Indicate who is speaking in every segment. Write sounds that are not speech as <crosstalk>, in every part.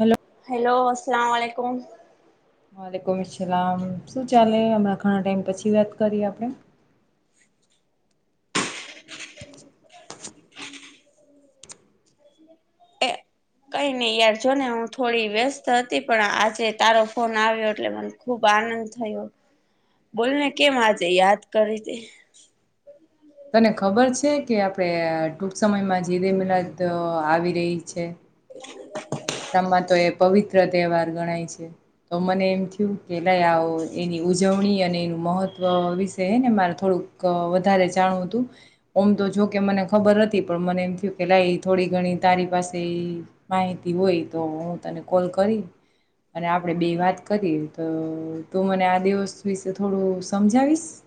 Speaker 1: Hello
Speaker 2: hello અલાલકુમ
Speaker 1: વાલેકુમલામ શું ચાલે હમણાં ઘણા ટાઈમ પછી વાત કરી આપણેે <unintelligible>
Speaker 2: એ કઈ નઈ યાર જો ને હું થોડી વ્યસ્ત હતી પણ આજે તારો ફોન આવ્યો એટલે મને ખુબ આનંદ થયો બોલને કેમ આજે યાદ કરી તિ
Speaker 1: તને ખબર છે કે આપણે ટૂક સમયમાં જીદે મિનાદ આવી રહી છે અને ઈસ્તામ માં તો એ પવિત્ર તહેવાર ગણાય છે તો મને એમ થયું કે લઈ આવો એની ઉજવણી અને એનું મહત્વ વિશે હ ને મારે થોડુંક વધારે જાણવું હતું ઓમ તો જોકે મને ખબર નથી પણ મને એમ થયું કે લાઈ થોડી ઘણી તારી પાસે માહિતી હોય તો હું તને કોલ કરી અને આપણેે બે વાત કરી તો તું મને આ દિવસ વિશે થોડું સમજાવીશ <inaudible>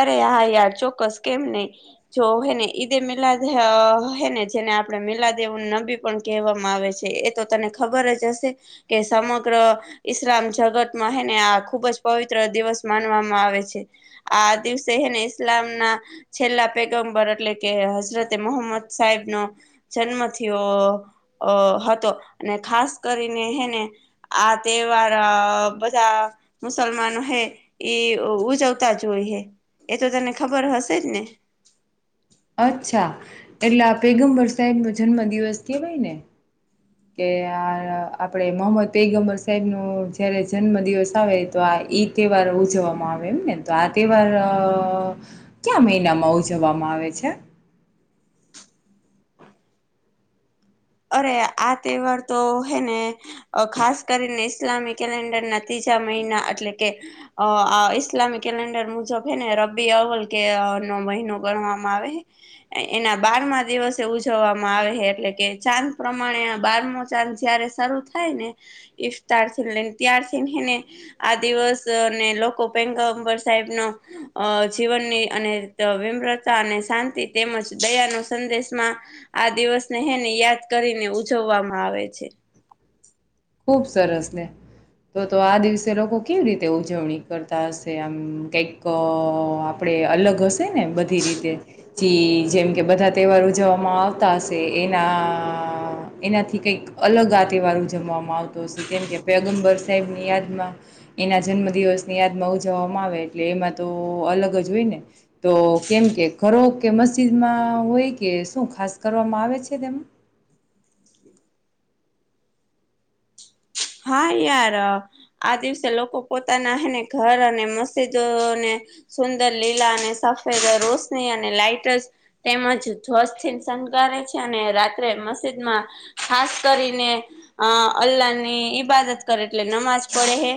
Speaker 2: અરે હા યાર ચોક્કસ કેમ નહી જો હેને ઈદે મિલાદ હેને જેને આપણે મિલા દેવ નબી પણ કહેવામાં આવે છે એ તો તને ખબર જ હશે કે સમગ્ર ઈસ્લામ જગતમાં હને આ ખુબ જ પવિત્ર દિવસ માનવામાં આવે છે આ દિવસે એને ઈસ્લામ ના છેલ્લા પેગમ્બર એટલે કે હઝરત એ મોહમદ સાહેબ નો જન્મ થયો હતો અને ખાસ કરીને હેને આ તહેવાર અ બધા મુસલમાનો હે ઈ ઉજવ તા જોઈએ એ તો તને ખબર હશે જ ને
Speaker 1: અચ્છા એટલે આ પેગમ્બર સાહેબ નો જન્મ દિવસ કેવાય ને કે આ આપડે મોહમ્મદ પૈગમબર સાહેબ નું જયારે જન્મ દિવસ આવે તો આ ઈ તહેવાર ઉજવવામાં આવે એમ ને તો આ તહેવાર ક્યા મહિનામાં ઉજવવામાં આવે આવે છે
Speaker 2: અરે આ તહેવાર તો હે ને અ ખાસ કરીને ઈસ્લામી કેલેન્ડર નથી જ મહિના એટલે કે ઈસ્લામી કેલેન્ડર મુજબ હે ને રબ્બી અવલ કે ન મહિનો ગણવામાં આવે એના બારમા દિવસે ઉજવવામાં આવે એટલે કે ચાંદ પ્રમાણે બારમો ચાંદ જયારે શરૂ થાય ને ઈફતાર થી લઈને ત્યારથી આ દિવસ ને લોકો પંકબર સાહેબ નો અ જીવનની અને વિમ્રતા અને શાંતિ તેમજ દયાનો સંદેશમાં આ દિવસને હેને યાદ વ કરીને ઉજવવામાં આવે છે
Speaker 1: ખૂબ સરસને તો તો આ દિવસે લોકો કેવી રીતે ઉજવણી કરતા હશે આમ કઈક આપડે અલગ હશે ને બધી રીતે ચી જેમ કે બધા તહેવાર ઉજવવામાં આવતા હશે એ ના એનાથી કંઈક અલગ આ તહેવાર ઉજવવામાં આવતો હશે કેમ કે પેગમબર સાહેબની યાદમાં એના જન્મ દિવસની યાદમાં ઉજવવામાં આવે એટલે એમાં તો અલગ જ હોય ને તો કેમ કે ધરો કે મસ્જિદમાં હોય કે કે શું ખાસ કરવામાં આવે છે તેમાં
Speaker 2: હા યાર આ દિવસે લોકો પોતાના હને ધર અને મસ્જિદને સુંદર લીલા અને રોશની અને લાઇટ તેમજ ધ્વજ થી શણગારે છે અને રાત્રે મસ્જિદમાં ખાસ કરીને અ અલ્લાહની ઈબાદત કરે એટલે નમાજ પડે હે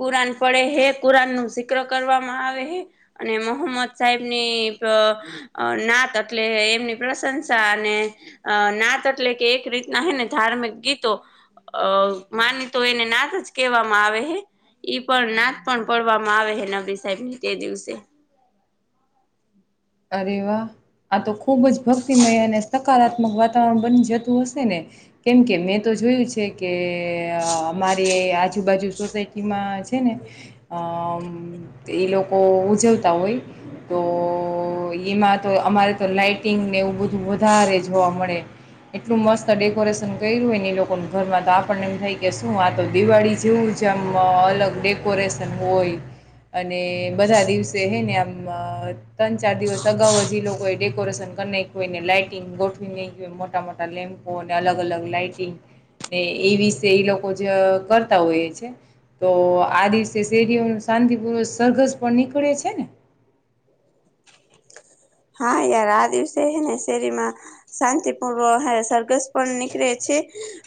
Speaker 2: કુરાન પડે હે કુરાન નું સિક્ર કરવામાં આવે અને મોહમ્મદ સાહેબની નાત એટલે એમની પ્રશંસા અને અ નાત એટલે કે એક રીતના હે ને ધાર્મિક ગીતો અ માની તો એને નાથ જ કહેવામાં આવે હ ઈ પણ નાત પણ પડવામાં આવે હે નબરી સાહેબ ની તે દિવસે
Speaker 1: અરે વાહ આ તો ખુબ જ ભક્તિમય અને સકારાત્મક વાતાવરણ બની જતું હશે ને કેમ કે મેં તો જોયું છે કે અમારે આજુબાજુ સોસાયટીમાં છે ને અ એ લોકો ઉજવતા હોય તો તો એમાં તો અમારે તો લાાઈટિંગને એવું બધું વધારે જોવા મળે એટલું મસ્ત ડેકોરેશન કર્યું હોયને એ લોકો ઘરમાં તો આપણને એમ થાય કે શું આ તો દિવાળી જેવું જમ અલગ ડેકોરેસન હોય. અને બધા દિવસે હે ને આમ તન ચાર દિવસ અગાઉ જ લોકોએ ડેકોરેશન કરીને કોઈને લાઈટિંગ ગોઠવીનેય મોટા મોટા લેમ્પો અલગ અલગ લાઈટિંગ ને એ. વિશે એ લોકો જ કરતા હોય છે તો આ દિવસે શેરીઓનું શાંતિપૂર્વક સરઘસ પણ નીકળે છે ને? <unintelligible>
Speaker 2: હા યાર આ દિવસે ને શેરીમાં શાં તિપૂર્વ સરઘસ પણ નીકળે છે.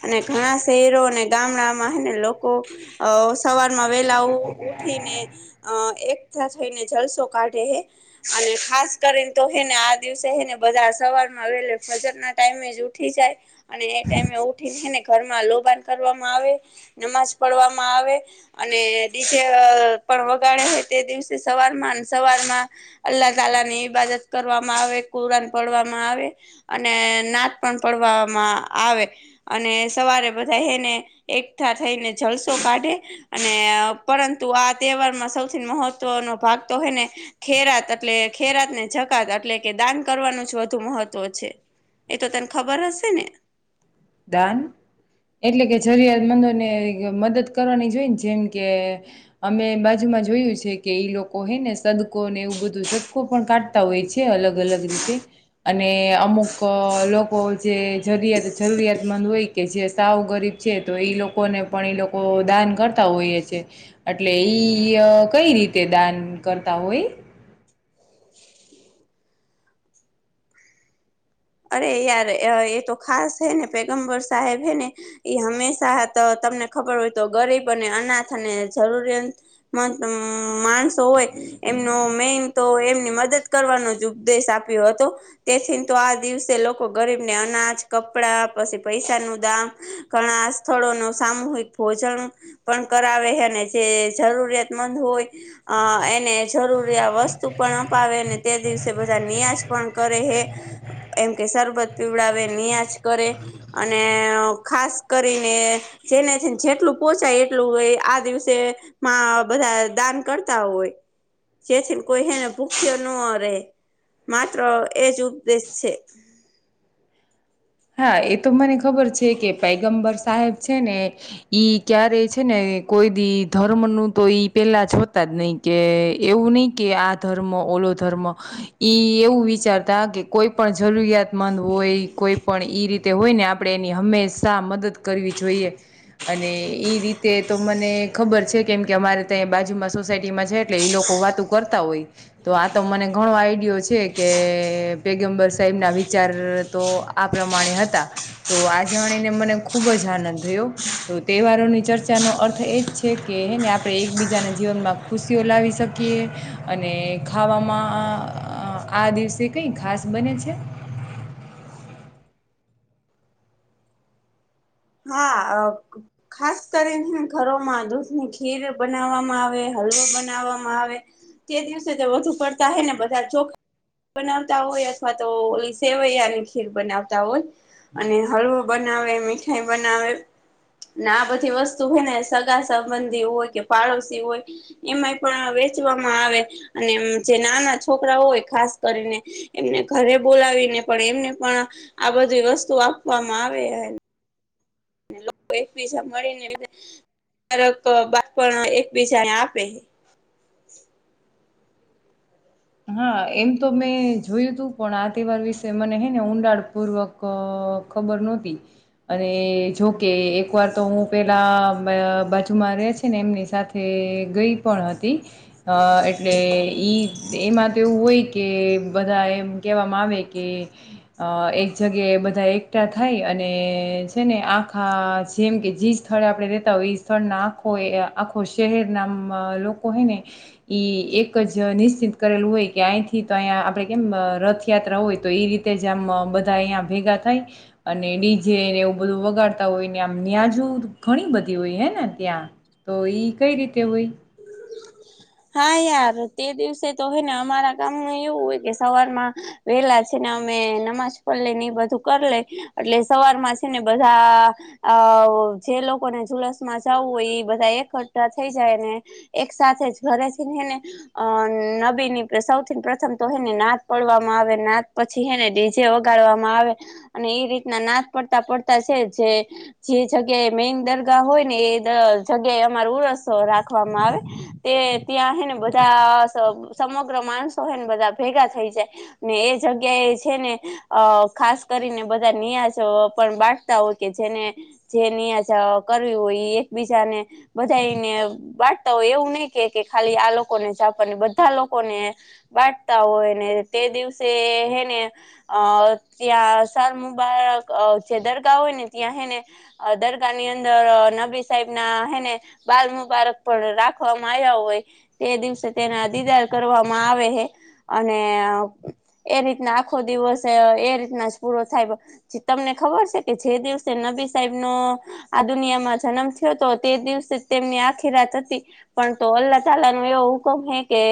Speaker 2: અને ઘણા શહેરો અને ગામડામાંને લોકો સવારમાં વેલા ઉઠે ઉઠીને અ એકઠા થઈને જલસો કાઢે હ અને ખાસ કરીને તો એને આ દિવસેને બધા સવાર માં આવે ફજત ના ટાઈમે જ ઉઠી જાય અને એ ટાઈમે ઉઠીને ઘર લોબાન કરવામાં આવે નમાજ પડવામાં આવે અને ડીજે પણ વગાડે છે તે દિવસે સવારમાં સવાર માં અલ્લાહ તાલા ની ઈબાદત કરવામાં આવે કુરાન પડવામાં આવે અને નાથ પણ પડવામાં આવે અને સવારે બધા એને એકઠા થઈને જલસો કાઢે અને પરંતુ પરુ આ તહેવારમાં સૌથી મહત્વનોો ભાગ તો હોય ને ખેરાત એટલે ખેરાત ને જકાત એટલે કે દાન કરવાનું જ વધુ મહત્વ છે. એ તો તર ખબર હશે ને?
Speaker 1: દાન એટલે કે જરિયાતમંદો ને મદદ કરવાની જોઈને જેમ કે અમે બાજુ જોયું છે કે ઈ લોકો હોય ને સદકો ને એવું બધું સદકો પણ કાઢતા હોય છે અલગ અલગ રીતે અને અમુક લોકો જેરૂિયા જરૂિયાત મંદ હોય કે જે સાવ ગરીબ છે તો એઈ લોકોને પણ એ લોકો દાન કરતા હોઈએ છે. એટલે ઈ કઈ રીતે દાન કરતા હોય?
Speaker 2: અરે યાર એ તો ખાસ હે ને પેગમ્બર સાહેબ હે ને એ હંમેશા તમને ખબર હોય તો ગરીબ અને અનાથ અને જરૂરિયાતમંદ માણસ હોય એમનો મેન તો એમજ મદદ કરવાનો જ ઉપદેશ આપ્યો હતો તેથી તો આ દિવસે લોકો ગરીબ ને અનાજ કપડા પછી પૈસા નું દામ ઘણા સ્થળો નુ સામૂહિક ભોજન પણ કરાવે જે જરૂરિયાતમંદ હોય. ને જરૂરી વસ્તુ પણ અપાવેને તે દિવસે બધા ન્યાજ પણ કરે હે એમ કે સરબત પીવડાવે ન્યાજ કરે અને ખાસ કરીને જેને છેને જેટલું પોચાય એટલું આ દિવસે માં બધા દાન કરતા હોય. જેથીને કોઈ એને ભૂખ્યો ન રહેે માત્ર એજ ઉપદેશ છે. હમ
Speaker 1: હા એ તો મને ખબર છે કે પૈગમ્બર સાહેબ છે ને ઈ ક્યારે છે ને કોઈ દી ધર્મ નું તો ઈ પેલા જ હોતા જ નહીિ કે એવું નહી કે આ ધર્મ ઓલો ધર્મ ઈ એવું વિચારતા કે કોઈ પણ જરૂરિયાતમંદ હોય કોઈ પણ એ રીતે હોય ને આપણે એની હંમેશા મદદ કરવી જોઈએ અને એ રીતે તો મને ખબર છે કેમ કે અમારે ત્યાં બાજુમાં સોસાયટીમાં છે એટલે એ લોકો વાતું કરતા હોય તો આ તો મને ઘણો આઈડિયો છે કે પેગમ્બર સાહેબ ના વિચાર ર તો આ પ્રમાણે હતા તો આ જાણીને મને ખૂબ જ આનંદ થયો તો તહેવારોની ચર્ચા નો અર્થ એ જ છે કેને આપણે એકબીજાના જીવનમાં ખુશીઓ લાવી શકીએ અને ખાવામાં આ દિવસે કઈ ખાસ બને છે.
Speaker 2: હા. ખાસ કરીને ઘરોમાં દૂધ ની ખીર બનાવવામાં આવે હળવો બનાવવામાં આવે તે દિવસે વધુ પડતા હે ને બધા ચોકરી બનાવતા હોય અથવા તો સેવૈયા ની ખીર બનાવતા હોય અને હળવો બના બનાવે મીઠાઈ બનાવે આ બધી વસ્તુ હોય ને સગા સંબંધી હોય કે પાડોશી હોય એમાંય પણ આવે અને જે નાના છોકરા હોય ખાસ કરીને એમને ઘરે બોલાવી પણ એમને પણ આ બધી વસ્તુ આપવામાં આવે લોકો એકબીસાા મળીને બધા કારક બાપ એકબીજાને આપે
Speaker 1: <unintelligible> હા એમ તો મેં જોયું તું પણ આ તહેવાર વિશે મને હે ને ઊંડાડ પૂર્વક ખબર નતી અને જોકે એક વાર તો હું પેલા બાજુમાં છે ને એમની સાથે ગઈ પણ હતી અ એટલે ઈ એમાં તો એવું હોય કે બધા એમ કેહેવામાં આવે કે એક જગ્યાએ બધા એકઠા થાય અને છે ને આખા જેમ કે જે સ્થળે આપણે રેતા હોય એ સ્થળ આખો આખો શહેર ના લોકો હને ઈ એક જ નિશ્ચિત કરેલું હોય કે અહીંથી તો અહીંયા આપણે કેમ રથયાત્રા હોય તો એ રીતે જ આમ બધા અહીંયા ભેગા થાય અને ડીજેને એવું બધું વગાડતા હોય ને આમ ન્યાજો ઘણી બધી હોય હે ને ત્યાં તો ઈ કઈ રીતે હોય
Speaker 2: હા યાર તે દિવસે તો હોય ને અમારા ગામ ન એવું હોય કે સવારમાં વેલા છે અમે નમાજ પડ લઈ ને એ બધું કરી લે એટલે સવાર માં છે ને બધા અ તો જે લોકોને ુલસ માં જવું હોય એ બધા એકઠા થઈ જાય ને એક સાથે જ ઘરે છેને એને અ નબી ની સૌથી પ્રથમ તો એને નાદ પડવામાં આવે ના પછીને જેે વગાડવામાં આવે અને એ રીતના નાદ પડતા પડતા છે જે જગ્યાએ મેન દરગા હોય ને એ જગ્યાએ અમાર ઉરસ રાખવામાં આવે તે ત્યાં હે ને બધા સમગ્ર માણસો હ ને બધા ભેગા થઈ જાય ને એજ જગ્યા એ છે ને અ ખાસ કરીને બધા નિિયાજો પણ બાટતા હોય કે જેને જે નિા કરવી હોય એકબીજાને બધાાઈને બાટતા હોય એવું નઈ ખાલી આ લોકોને જાપને બધા લોકોને બાટતા હોય ને તે દિવસે હેને અ ત્યાં શાર મુબારક જે દરગાહ હોય ને ત્યાં હેને દરગાહ ની અંદર નબી સાહેબ ના હેને બાલ મુબારક પણ રાખવાવામાં આવ હોય તે દિવસે તેના દિદાર કરવામાં આવે છે અને એ રીતના આખો દિવસ એ રીતના જ પૂરો થાય તમને ખબર છે કે જે દિવસે નવી સાબ નો આ દુનિયામાં જન્મ થયો હતો તે દિવસે તેમની આખી રાત હતી પણ તો અલ્લા તલા નો એવો હુકમ હે કે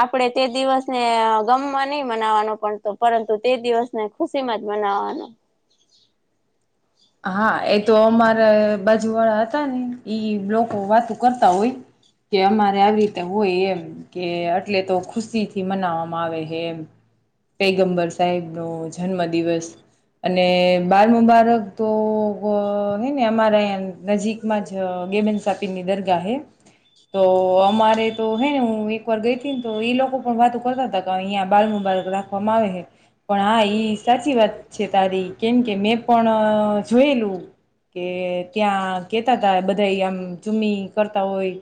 Speaker 2: આપડે તે દિવસને ગમવા નહી મવાનો પણ પરંતુ તે દિવસને ખુશીમાં જ મનાવાનો
Speaker 1: <unintelligible> હા એ તો અમારા બાજુ વાળા હતા ને ઈ લોકો વાતો કરતા હોય કે અમારે આવી રીતે હોય એમ કે એટલે તો ખુશી થી મનાવવામાં આવે હ એમ પૈગંબર સાહેબ નો જન્મ દિવસ અને બાર મુબારક તો નઈ ને અમારાં નજીકમાં જ ગેબન સાપીની દરગાહ હે તો અમારે તો હે ને હું એક વાર ગઈ ને તો એ લોકો પણ વાત કરતા હતા અહંયા બાલુ. રાખવામાં આવે છે પણ હા સાચી વાત છે તારી કેમ કે મેં પણ. જોયેલું. કે ત્યાં કેતા હતાા બધા આમ ચૂમમી કરતા હોય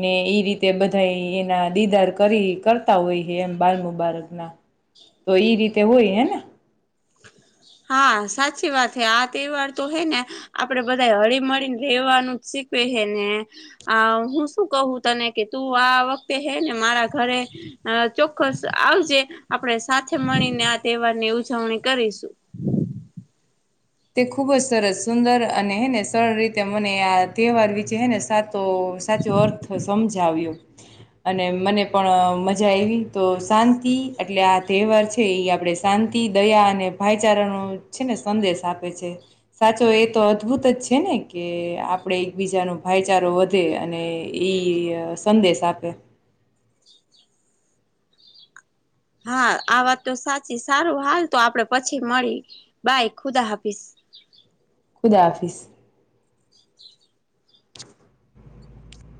Speaker 1: ને એ રીતે. બધા એના દિદાર કરી કરતા હોય છે એમ બાલ મુબારક ના. તો એઈ રીતે હોય હેને.
Speaker 2: હા સાચી વાત હ આ તહેવાર તો હે ને આપડે બધા હળીમળી ને રેવાનુંી. ેને હું શું કું તને કે તું આ વખતે હે ને મારા ઘરે. અ ચોક્કસ આવજે આપણેે સાથે મળીને આ તહેવાર ની ઉજવણી કરીશું. હમ.
Speaker 1: તે ખુબ જ સરસ સુંદર અને હેને સરળ રીતે મને આ તહેવાર વિચે હેને સાત. તો સાચો અર્થ સમજાવ્યો અને મને પણ મજા આવી. તો શાંતિ. એટલે આ તહેવાર છે એ આપણે શાંતિ દયા અને ભાઈચારાનો છે ને સંદેશ આપી. સાચો એ તો અદભુત જ છે ને કે આપણે એકબીજાનો ભાઈચારો વધે. અને એ સંદેશ આપે.
Speaker 2: હા આ વાત તો સાચી સારું હાલ તો આપડે પછી મળી બાય ખુદા હાફીશ.
Speaker 1: ખુદા હાફીસ.